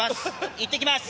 いってきます。